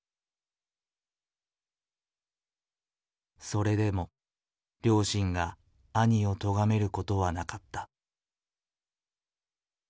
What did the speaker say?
それでも両親が兄をとがめることはなかった。